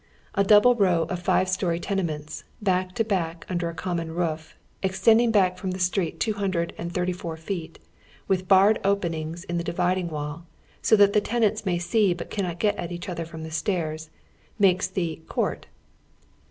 A double row of five story tenements, back to back under a common roof, extending back from the street two hundred and thirty four feet, with barred openings in the dividing wall, so that the tenants may see but cannot get at each other from the stairs, makes the " court."